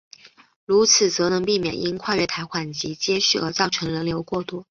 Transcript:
如此则能避免因跨月台缓急接续而造成人流过多。